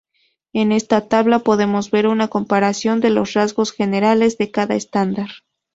En esta tabla podemos ver una comparación de los rasgos generales de cada estándar.